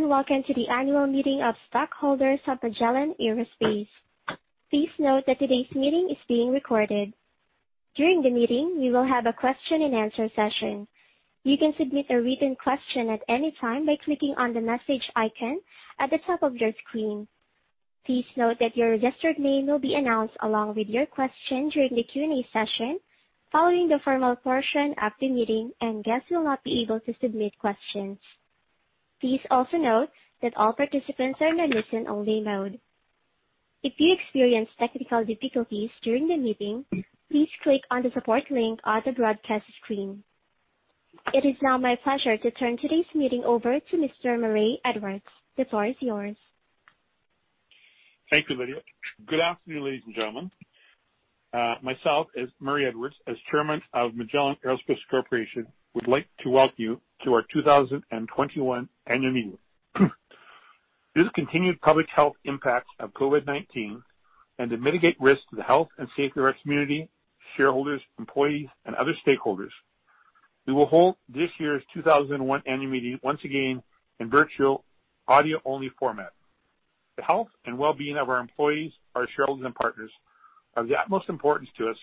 Hello, and welcome to the annual meeting of stockholders of Magellan Aerospace. Please note that today's meeting is being recorded. During the meeting, we will have a question and answer session. You can submit a written question at any time by clicking on the message icon at the top of your screen. Please note that your registered name will be announced along with your question during the Q&A session, following the formal portion of the meeting, and guests will not be able to submit questions. Please also note that all participants are in a listen-only mode. If you experience technical difficulties during the meeting, please click on the support link on the broadcast screen. It is now my pleasure to turn today's meeting over to Mr. Murray Edwards. The floor is yours. Thank you, Lydia. Good afternoon, ladies and gentlemen. Myself as Murray Edwards, as Chairman of Magellan Aerospace Corporation, would like to welcome you to our 2021 annual meeting. Due to continued public health impacts of COVID-19 and to mitigate risk to the health and safety of our community, shareholders, employees, and other stakeholders, we will hold this year's 2021 annual meeting once again in virtual audio-only format. The health and well-being of our employees, our shareholders, and partners are of the utmost importance to us.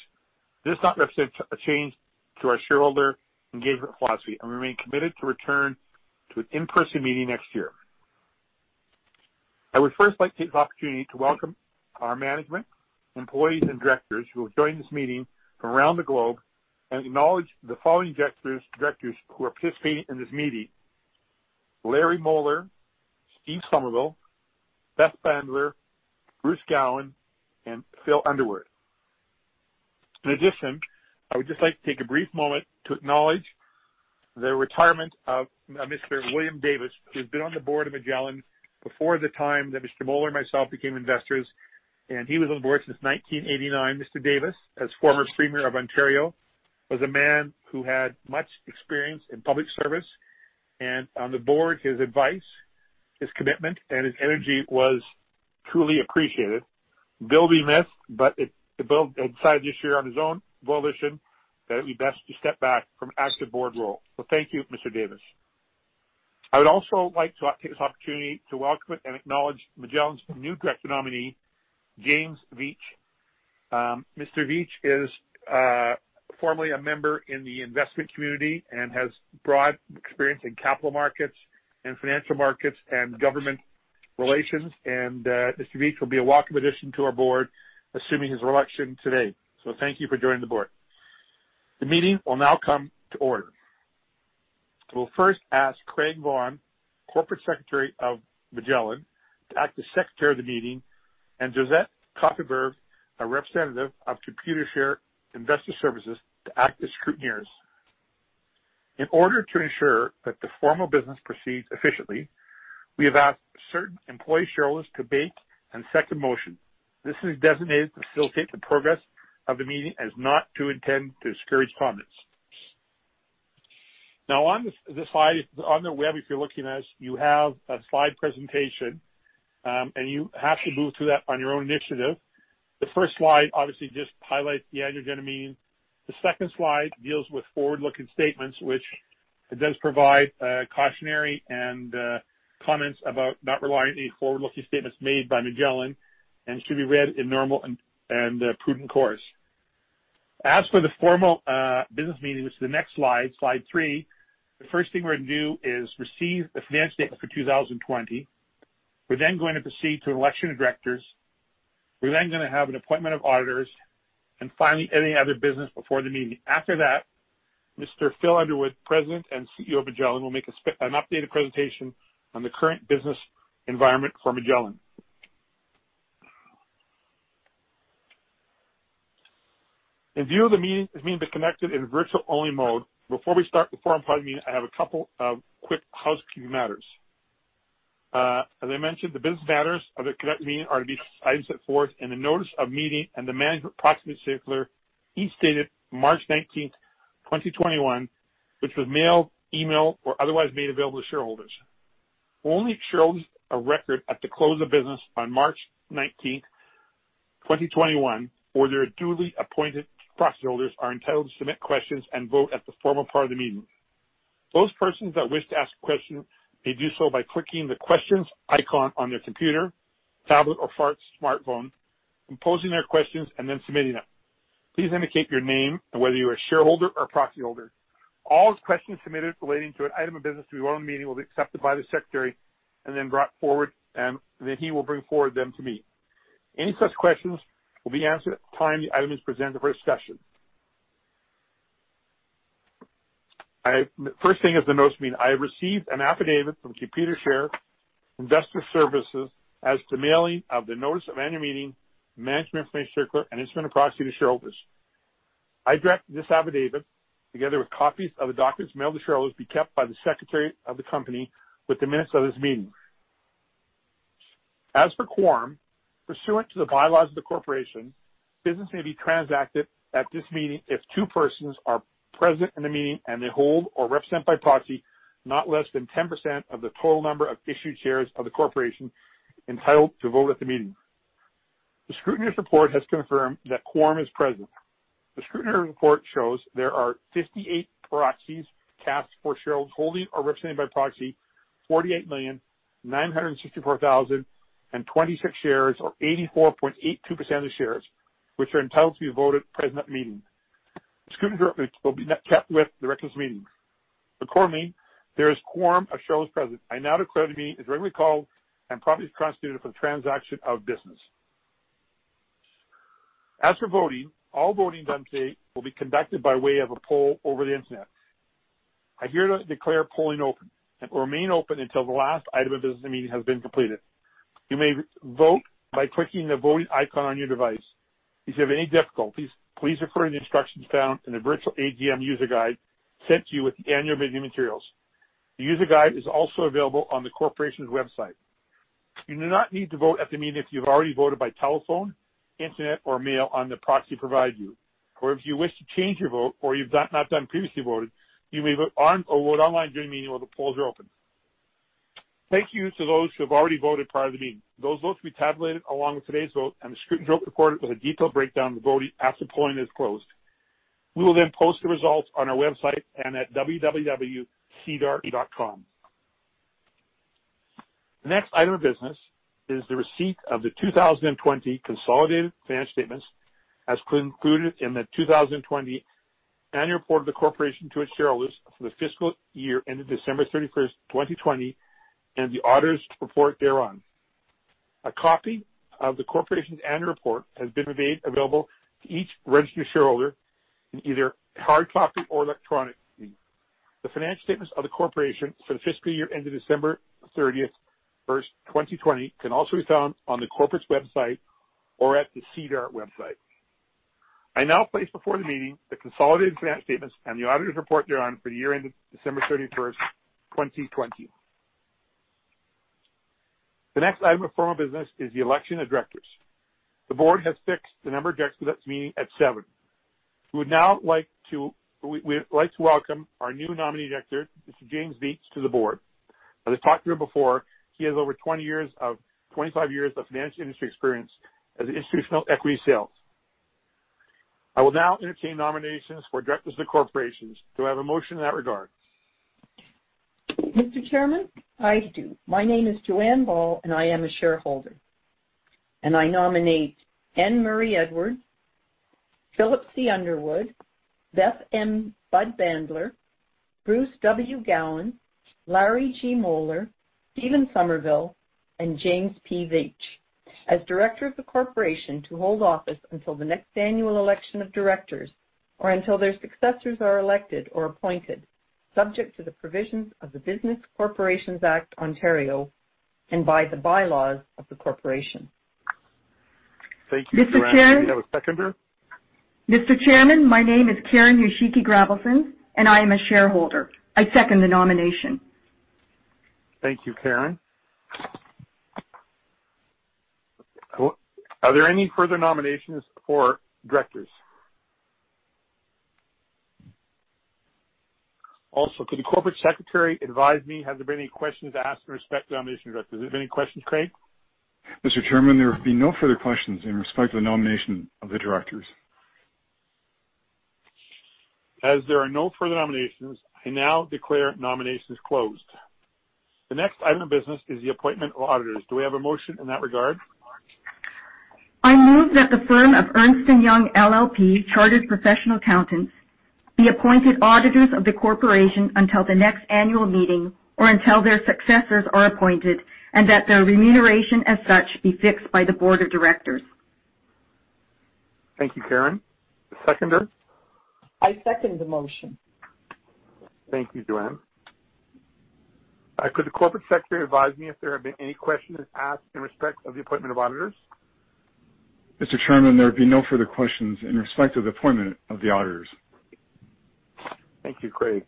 This is not representative of a change to our shareholder engagement philosophy, and we remain committed to return to an in-person meeting next year. I would first like to take this opportunity to welcome our management, employees, and directors who have joined this meeting from around the globe and acknowledge the following directors who are participating in this meeting. Larry Moeller, Steve Somerville, Beth Budd Bandler, Bruce Gowan, and Phil Underwood. In addition, I would just like to take a brief moment to acknowledge the retirement of Mr. William G. Davis, who has been on the board of Magellan before the time that Mr. Moeller and myself became investors, and he was on the board since 1989. Mr. Davis, as former Premier of Ontario, was a man who had much experience in public service, and on the board, his advice, his commitment, and his energy was truly appreciated. He will be missed, but Bill decided this year on his own volition that it would be best to step back from active board role. So thank you, Mr. Davis. I would also like to take this opportunity to welcome and acknowledge Magellan's new director nominee, James Veitch. Mr. Veitch is formerly a member in the investment community and has broad experience in capital markets, financial markets, and government relations. Mr. Veitch will be a welcome addition to our board, assuming his election today. Thank you for joining the board. The meeting will now come to order. We'll first ask Craig Vaughan, Corporate Secretary of Magellan Aerospace, to act as secretary of the meeting, and Josette Kottyberg, a representative of Computershare Investor Services, to act as scrutineers. In order to ensure that the formal business proceeds efficiently, we have asked certain employee shareholders to make and second motion. This is designated to facilitate the progress of the meeting and is not to intend to discourage comments. Now on the slide, on the web, if you're looking at it, you have a slide presentation, and you have to move through that on your own initiative. The first slide obviously just highlights the Annual General Meeting. The second slide deals with forward-looking statements, which it does provide cautionary and comments about not relying on any forward-looking statements made by Magellan and should be read in normal and prudent course. As for the formal business meeting, which is the next slide three, the first thing we're going to do is receive the financial statement for 2020. We're going to proceed to election of directors. We're going to have an appointment of auditors and finally, any other business before the meeting. After that, Phil Underwood, President and CEO of Magellan, will make an updated presentation on the current business environment for Magellan. In view of the meeting being connected in virtual-only mode, before we start the formal part of the meeting, I have a couple of quick housekeeping matters. As I mentioned, the business matters of the connected meeting are to be items set forth in the notice of meeting and the management proxy circular, each dated March 19th, 2021, which was mailed, emailed or otherwise made available to shareholders. Only shareholders of record at the close of business on March 19th, 2021 or their duly appointed proxy holders are entitled to submit questions and vote at the formal part of the meeting. Those persons that wish to ask a question may do so by clicking the questions icon on their computer, tablet or smartphone, composing their questions and then submitting them. Please indicate your name and whether you're a shareholder or proxy holder. All questions submitted relating to an item of business to be voted on in the meeting will be accepted by the secretary and then brought forward, and then he will bring forward them to me. Any such questions will be answered at the time the item is presented for discussion. First thing is the notice of meeting. I have received an affidavit from Computershare Investor Services as to mailing of the notice of annual meeting, management information circular, and instrument proxy to shareholders. I direct this affidavit, together with copies of the documents mailed to shareholders, be kept by the Secretary of the company with the minutes of this meeting. As for quorum, pursuant to the bylaws of the corporation, business may be transacted at this meeting if two persons are present in the meeting and they hold or represent by proxy not less than 10% of the total number of issued shares of the corporation entitled to vote at the meeting. The scrutineer's report has confirmed that quorum is present. The scrutineer's report shows there are 58 proxies cast for shareholders holding or represented by proxy, 48,964,026 shares, or 84.82% of the shares, which are entitled to be voted present at the meeting. The scrutineer report will be kept with the records of this meeting. Accordingly, there is quorum of shareholders present. I now declare the meeting is regularly called and properly constituted for the transaction of business. As for voting, all voting done today will be conducted by way of a poll over the internet. I hereby declare polling open, and it will remain open until the last item of business of the meeting has been completed. You may vote by clicking the voting icon on your device. If you have any difficulties, please refer to the instructions found in the virtual AGM user guide sent to you with the annual meeting materials. The user guide is also available on the corporation's website. You do not need to vote at the meeting if you've already voted by telephone, internet, or mail on the proxy provided you. If you wish to change your vote or you've not done previously voted, you may vote online during the meeting while the polls are open. Thank you to those who have already voted prior to the meeting. Those votes will be tabulated along with today's vote, and the scrutineer report with a detailed breakdown of the voting after polling is closed. We will post the results on our website and at www.sedar.com. The next item of business is the receipt of the 2020 consolidated financial statements, as concluded in the 2020 annual report of the corporation to its shareholders for the fiscal year ended December 31st, 2020, and the auditor's report thereon. A copy of the Corporation's annual report has been made available to each registered shareholder in either hard copy or electronically. The financial statements of the Corporation for the fiscal year ended December 31st, 2020, can also be found on the Corporation's website or at the SEDAR website. I now place before the meeting the consolidated financial statements and the auditor's report thereon for the year ended December 31st, 2020. The next item of formal business is the election of directors. The board has fixed the number of directors for this meeting at seven. We would like to welcome our new nominee director, Mr. James Veitch, to the board. As I've talked to you before, he has over 25 years of financial industry experience as institutional equity sales. I will now entertain nominations for directors of the Corporation. Do I have a motion in that regard? Mr. Chairman, I do. My name is Joanne Ball. I am a shareholder. I nominate N. Murray Edwards, Philip C. Underwood, Beth M. Budd Bandler, Bruce W. Gowan, Larry G. Moeller, Stephen Somerville, and James P. Veitch as directors of the corporation to hold office until the next annual election of directors or until their successors are elected or appointed, subject to the provisions of the Business Corporations Act, Ontario, and by the bylaws of the corporation. Thank you, Joanne. Mr. Chairman. Do we have a seconder? Mr. Chairman, my name is Karen Yoshiki-Gravelsins, and I am a shareholder. I second the nomination. Thank you, Karen. Are there any further nominations for directors? Also, could the corporate secretary advise me, have there been any questions asked in respect to the nomination of the directors? Have there been any questions, Craig? Mr. Chairman, there have been no further questions in respect to the nomination of the directors. As there are no further nominations, I now declare nominations closed. The next item of business is the appointment of auditors. Do we have a motion in that regard? I move that the firm of Ernst & Young LLP, Chartered Professional Accountants, be appointed auditors of the corporation until the next annual meeting or until their successors are appointed, and that their remuneration as such be fixed by the board of directors. Thank you, Karen. A seconder? I second the motion. Thank you, Joanne. Could the Corporate Secretary advise me if there have been any questions asked in respect of the appointment of auditors? Mr. Chairman, there have been no further questions in respect of the appointment of the auditors. Thank you, Craig.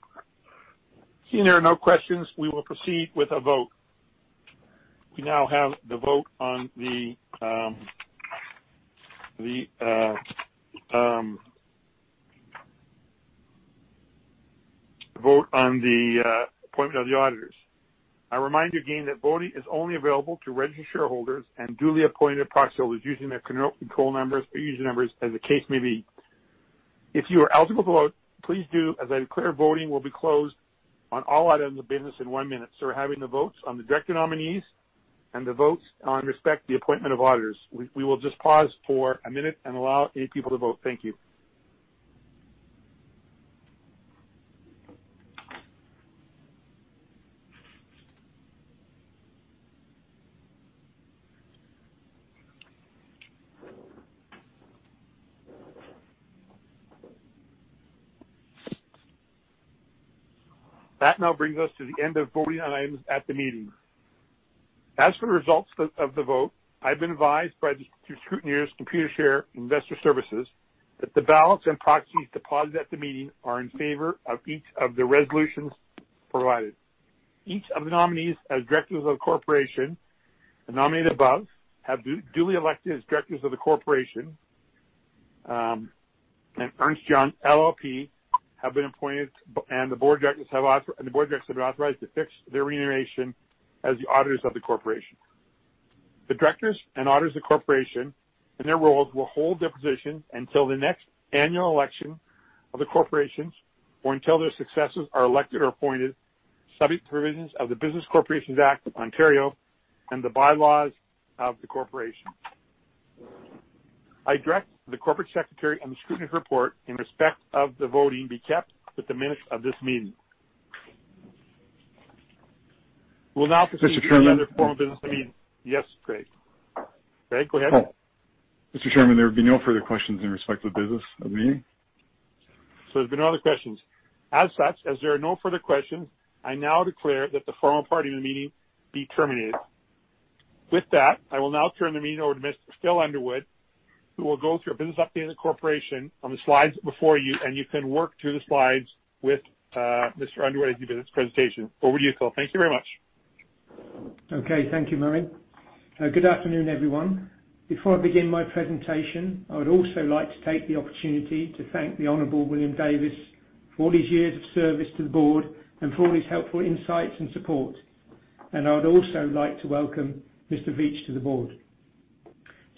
Seeing there are no questions, we will proceed with a vote. We now have the vote on the appointment of the auditors. I remind you again that voting is only available to registered shareholders and duly appointed proxy holders using their control numbers or user numbers as the case may be. If you are eligible to vote, please do, as I declare voting will be closed on all items of business in one minute. We're having the votes on the director nominees and the votes in respect the appointment of auditors. We will just pause for a minute and allow eight people to vote. Thank you. That now brings us to the end of voting on items at the meeting. As for the results of the vote, I've been advised by the scrutineer, Computershare Investor Services, that the ballots and proxies deposited at the meeting are in favor of each of the resolutions provided. Each of the nominees as directors of the corporation and nominated above have been duly elected as directors of the corporation, and Ernst & Young LLP have been appointed, and the Board of Directors have been authorized to fix their remuneration as the auditors of the corporation. The directors and auditors of the corporation, in their roles, will hold their position until the next annual election of the corporation, or until their successors are elected or appointed, subject to provisions of the Business Corporations Act of Ontario and the bylaws of the corporation. I direct the Corporate Secretary and the scrutineer's report in respect of the voting be kept with the minutes of this meeting. We'll now proceed. Mr. Chairman? With other formal business of the meeting. Yes, Craig. Craig, go ahead. Mr. Chairman, there would be no further questions in respect to the business of the meeting. There's been no other questions. As such, as there are no further questions, I now declare that the formal part of the meeting be terminated. With that, I will now turn the meeting over to Mr. Phil Underwood, who will go through a business update of the corporation on the slides before you, and you can work through the slides with Mr. Underwood as he gives his presentation. Over to you, Phil. Thank you very much. Okay. Thank you, Murray. Good afternoon, everyone. Before I begin my presentation, I would also like to take the opportunity to thank the Honorable William Davis for all his years of service to the board and for all his helpful insights and support. I would also like to welcome Mr. Veitch to the board.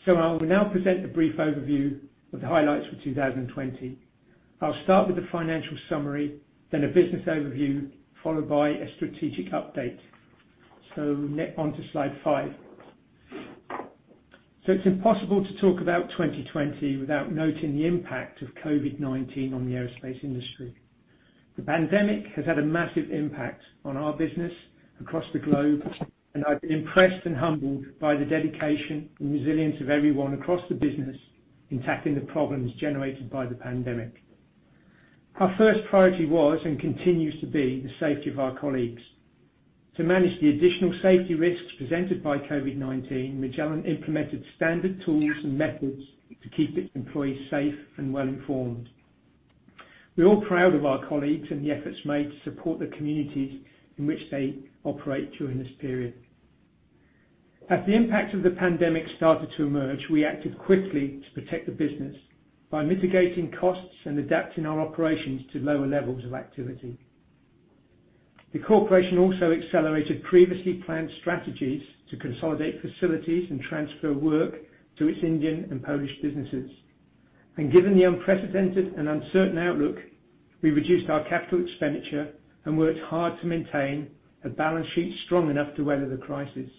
I will now present a brief overview of the highlights for 2020. I'll start with a financial summary, then a business overview, followed by a strategic update. We nip onto slide five. It's impossible to talk about 2020 without noting the impact of COVID-19 on the aerospace industry. The pandemic has had a massive impact on our business across the globe, and I've been impressed and humbled by the dedication and resilience of everyone across the business in tackling the problems generated by the pandemic. Our first priority was, and continues to be, the safety of our colleagues. To manage the additional safety risks presented by COVID-19, Magellan implemented standard tools and methods to keep its employees safe and well-informed. We're all proud of our colleagues and the efforts made to support the communities in which they operate during this period. As the impact of the pandemic started to emerge, we acted quickly to protect the business by mitigating costs and adapting our operations to lower levels of activity. The corporation also accelerated previously planned strategies to consolidate facilities and transfer work to its Indian and Polish businesses. Given the unprecedented and uncertain outlook, we reduced our capital expenditure and worked hard to maintain a balance sheet strong enough to weather the crisis.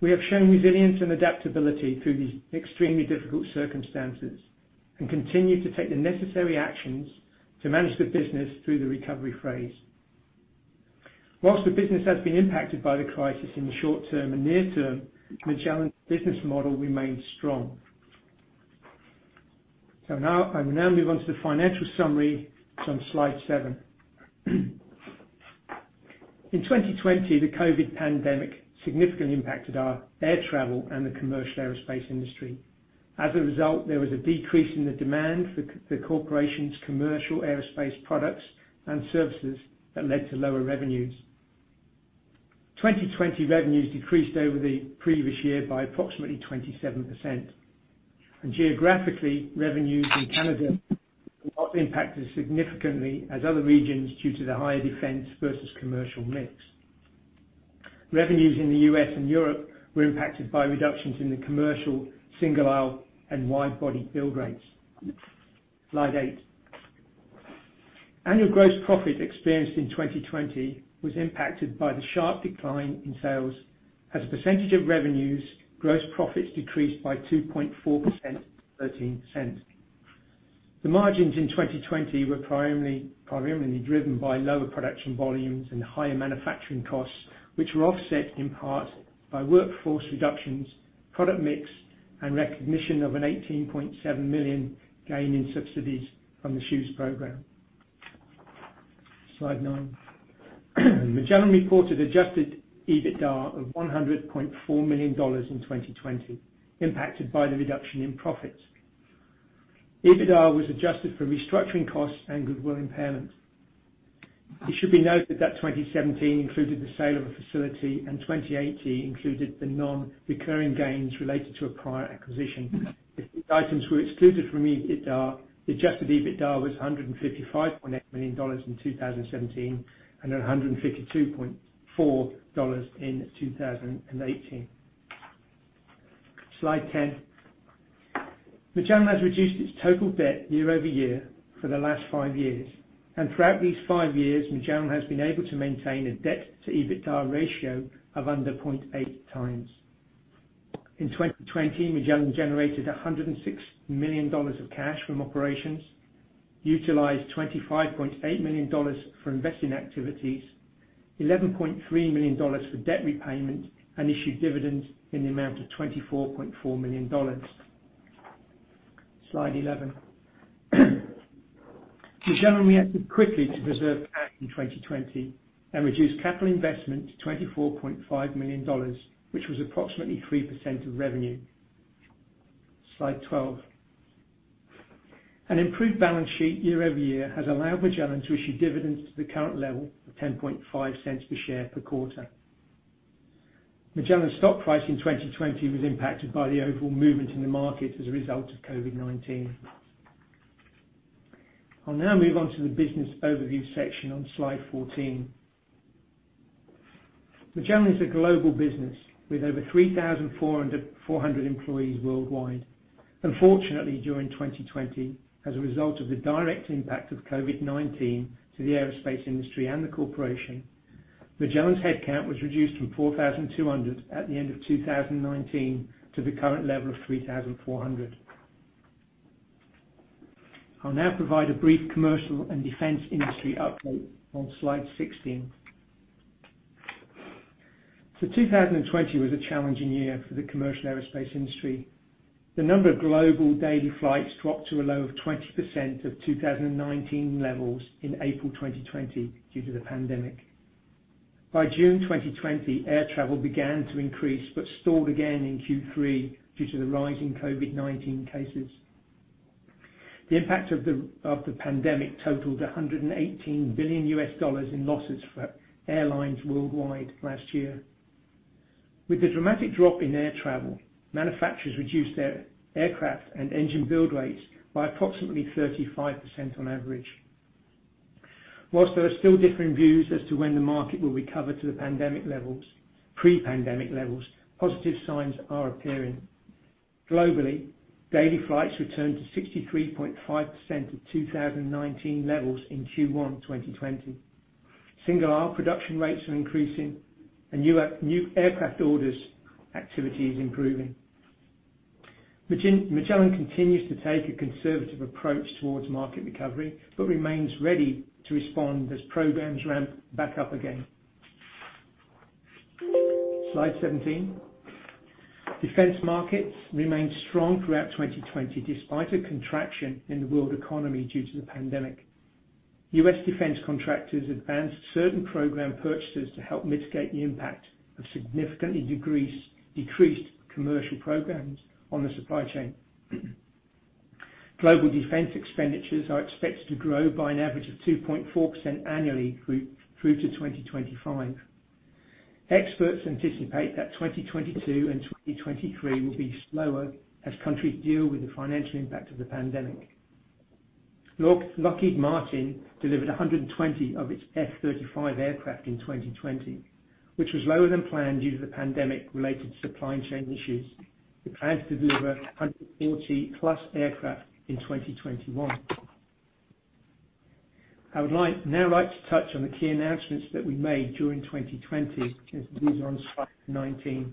We have shown resilience and adaptability through these extremely difficult circumstances and continue to take the necessary actions to manage the business through the recovery phase. Whilst the business has been impacted by the crisis in the short term and near term, Magellan's business model remains strong. I will now move on to the financial summary that's on slide seven. In 2020, the COVID-19 pandemic significantly impacted our air travel and the commercial aerospace industry. As a result, there was a decrease in the demand for the Corporation's commercial aerospace products and services that led to lower revenues. 2020 revenues decreased over the previous year by approximately 27%. Geographically, revenues in Canada were not impacted significantly as other regions due to the higher defense versus commercial mix. Revenues in the U.S. and Europe were impacted by reductions in the commercial, single aisle, and wide-body build rates. Slide eight. Annual gross profit experienced in 2020 was impacted by the sharp decline in sales as a % of revenues. Gross profits decreased by 2.4%, 0.13. The margins in 2020 were primarily driven by lower production volumes and higher manufacturing costs, which were offset in part by workforce reductions, product mix, and recognition of a 18.7 million gain in subsidies from the CEWS program. Slide nine. Magellan reported adjusted EBITDA of 100.4 million dollars in 2020, impacted by the reduction in profits. EBITDA was adjusted for restructuring costs and goodwill impairment. It should be noted that 2017 included the sale of a facility and 2018 included the non-recurring gains related to a prior acquisition. If these items were excluded from the EBITDA, the adjusted EBITDA was 155.8 million dollars in 2017 and then 152.4 million dollars in 2018. Slide 10. Magellan has reduced its total debt year-over-year for the last five years. Throughout these five years, Magellan has been able to maintain a debt-to-EBITDA ratio of under 0.8 times. In 2020, Magellan generated 106 million dollars of cash from operations, utilized 25.8 million dollars for investing activities, 11.3 million dollars for debt repayment, and issued dividends in the amount of 24.4 million dollars. Slide 11. Magellan reacted quickly to preserve cash in 2020 and reduced capital investment to CAD 24.5 million, which was approximately 3% of revenue. Slide 12. An improved balance sheet year-over-year has allowed Magellan to issue dividends to the current level of 0.105 per share per quarter. Magellan stock price in 2020 was impacted by the overall movement in the market as a result of COVID-19. I'll now move on to the business overview section on slide 14. Magellan is a global business with over 3,400 employees worldwide. Unfortunately, during 2020, as a result of the direct impact of COVID-19 to the aerospace industry and the corporation, Magellan's headcount was reduced from 4,200 at the end of 2019 to the current level of 3,400. I'll now provide a brief commercial and defense industry update on slide 16. 2020 was a challenging year for the commercial aerospace industry. The number of global daily flights dropped to a low of 20% of 2019 levels in April 2020 due to the pandemic. By June 2020, air travel began to increase but stalled again in Q3 due to the rise in COVID-19 cases. The impact of the pandemic totaled $118 billion in losses for airlines worldwide last year. With the dramatic drop in air travel, manufacturers reduced their aircraft and engine build rates by approximately 35% on average. Whilst there are still differing views as to when the market will recover to the pre-pandemic levels, positive signs are appearing. Globally, daily flights returned to 63.5% of 2019 levels in Q1 2020. Single aisle production rates are increasing and new aircraft orders activity is improving. Magellan continues to take a conservative approach towards market recovery, but remains ready to respond as programs ramp back up again. Slide 17. Defense markets remained strong throughout 2020 despite a contraction in the world economy due to the pandemic. U.S. defense contractors advanced certain program purchases to help mitigate the impact of significantly decreased commercial programs on the supply chain. Global defense expenditures are expected to grow by an average of 2.4% annually through to 2025. Experts anticipate that 2022 and 2023 will be slower as countries deal with the financial impact of the pandemic. Lockheed Martin delivered 120 of its F-35 aircraft in 2020, which was lower than planned due to the pandemic-related supply chain issues. It plans to deliver 140+ aircraft in 2021. I would now like to touch on the key announcements that we made during 2020, and these are on slide 19.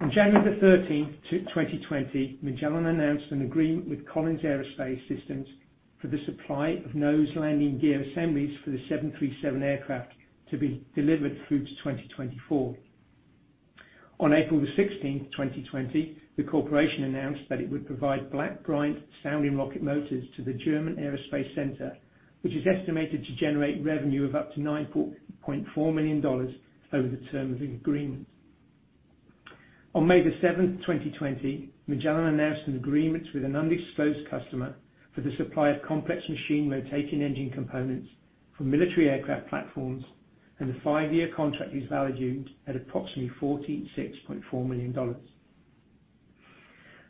On January the 13th, 2020, Magellan announced an agreement with Collins Aerospace for the supply of nose landing gear assemblies for the 737 aircraft to be delivered through to 2024. On April the 16th, 2020, the corporation announced that it would provide Black Brant sounding rocket motors to the German Aerospace Center, which is estimated to generate revenue of up to 9.4 million dollars over the term of the agreement. On May the 7th, 2020, Magellan announced an agreement with an undisclosed customer for the supply of complex machine rotating engine components for military aircraft platforms. The five-year contract is valued at approximately 46.4 million dollars.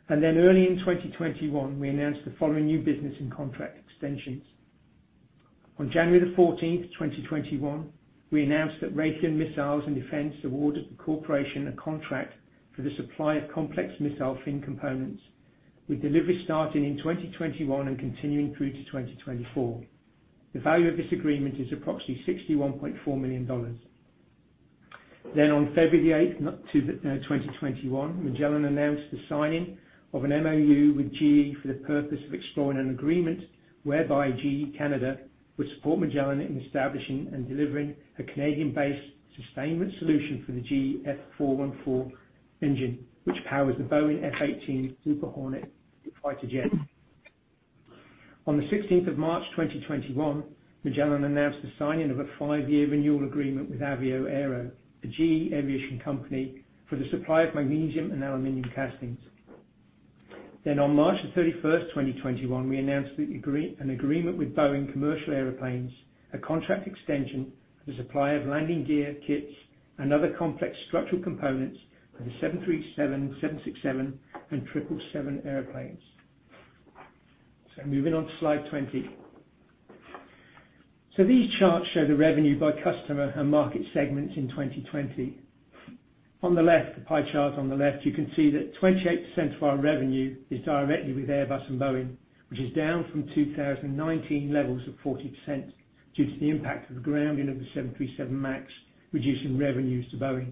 Early in 2021, we announced the following new business and contract extensions. On January the 14th, 2021, we announced that Raytheon Missiles & Defense awarded the corporation a contract for the supply of complex missile fin components, with delivery starting in 2021 and continuing through to 2024. The value of this agreement is approximately 61.4 million dollars. On February the 8th, 2021, Magellan announced the signing of an MoU with GE for the purpose of exploring an agreement whereby GE Canada would support Magellan in establishing and delivering a Canadian-based sustainment solution for the GE F414 engine, which powers the Boeing F/A-18 Super Hornet fighter jet. On the 16th of March 2021, Magellan announced the signing of a five-year renewal agreement with Avio Aero, the GE Aviation company, for the supply of magnesium and aluminum castings. On March the 31st, 2021, we announced an agreement with Boeing Commercial Airplanes, a contract extension for the supply of landing gear kits and other complex structural components for the 737, 767 and 777 airplanes. Moving on to slide 20. These charts show the revenue by customer and market segments in 2020. On the left, the pie chart on the left, you can see that 28% of our revenue is directly with Airbus and Boeing, which is down from 2019 levels of 40% due to the impact of the grounding of the 737 MAX, reducing revenues to Boeing.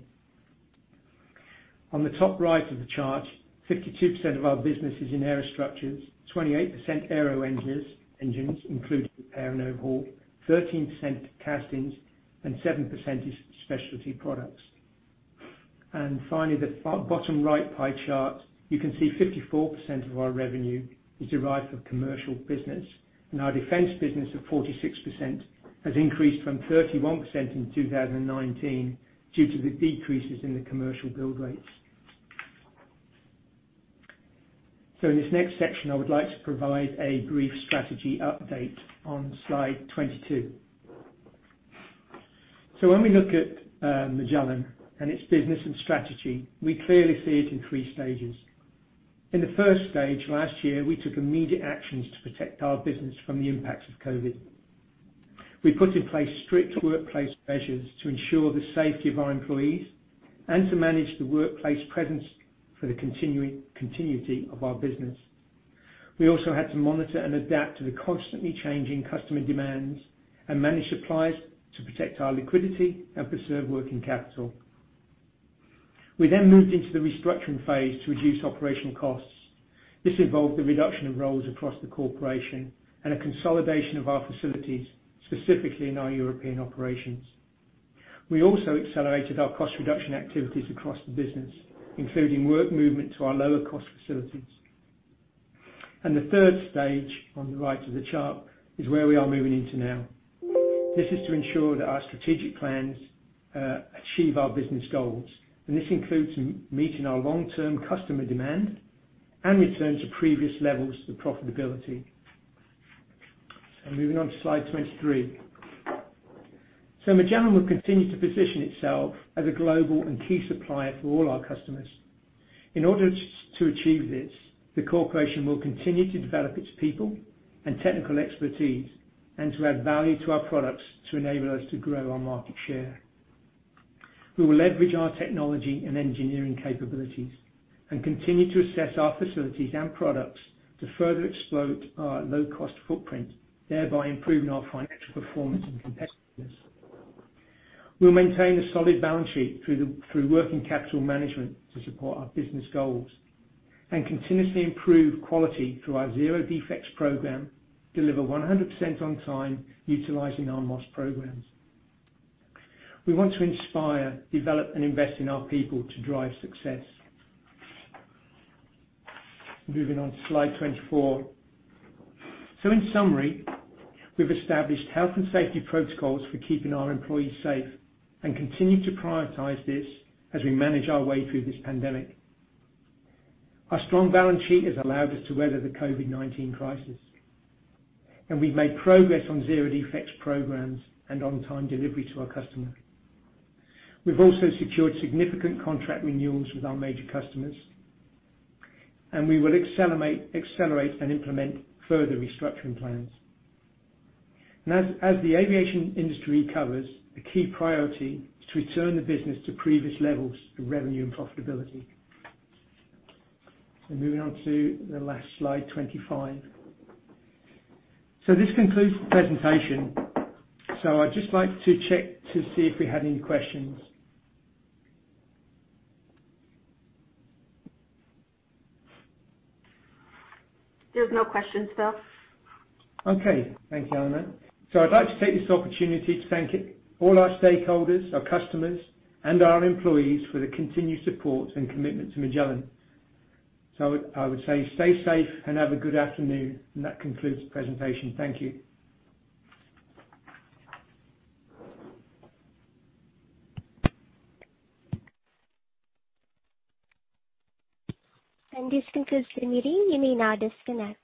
On the top right of the chart, 52% of our business is in aerostructures, 28% aero engines, including repair and overhaul, 13% castings, and 7% is specialty products. Finally, the bottom right pie chart, you can see 54% of our revenue is derived from commercial business and our defense business of 46% has increased from 31% in 2019 due to the decreases in the commercial build rates. In this next section, I would like to provide a brief strategy update on slide 22. When we look at Magellan and its business and strategy, we clearly see it in three stages. In the first stage last year, we took immediate actions to protect our business from the impacts of COVID-19. We put in place strict workplace measures to ensure the safety of our employees and to manage the workplace presence for the continuity of our business. We also had to monitor and adapt to the constantly changing customer demands and manage supplies to protect our liquidity and preserve working capital. We then moved into the restructuring phase to reduce operational costs. This involved the reduction of roles across the corporation and a consolidation of our facilities, specifically in our European operations. We also accelerated our cost reduction activities across the business, including work movement to our lower cost facilities. The third stage, on the right of the chart, is where we are moving into now. This is to ensure that our strategic plans achieve our business goals, and this includes meeting our long-term customer demand and return to previous levels of profitability. Moving on to slide 23. Magellan will continue to position itself as a global and key supplier for all our customers. In order to achieve this, the corporation will continue to develop its people and technical expertise and to add value to our products to enable us to grow our market share. We will leverage our technology and engineering capabilities and continue to assess our facilities and products to further exploit our low-cost footprint, thereby improving our financial performance and competitiveness. We'll maintain a solid balance sheet through working capital management to support our business goals and continuously improve quality through our zero defects program, deliver 100% on time utilizing our MOS programs. We want to inspire, develop, and invest in our people to drive success. Moving on to slide 24. In summary, we've established health and safety protocols for keeping our employees safe and continue to prioritize this as we manage our way through this pandemic. Our strong balance sheet has allowed us to weather the COVID-19 crisis, and we've made progress on zero defects programs and on-time delivery to our customer. We've also secured significant contract renewals with our major customers, and we will accelerate and implement further restructuring plans. As the aviation industry recovers, the key priority is to return the business to previous levels of revenue and profitability. Moving on to the last slide, 25. This concludes the presentation. I'd just like to check to see if we have any questions. There's no questions, Phil. Okay. Thank you, Elena. I'd like to take this opportunity to thank all our stakeholders, our customers, and our employees for the continued support and commitment to Magellan. I would say stay safe and have a good afternoon, and that concludes the presentation. Thank you. This concludes the meeting. You may now disconnect.